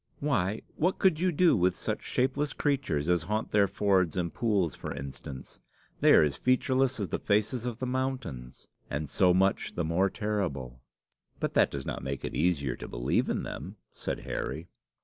"Why, what could you do with such shapeless creatures as haunt their fords and pools for instance? They are as featureless as the faces of the mountains." "And so much the more terrible." "But that does not make it easier to believe in them," said Harry.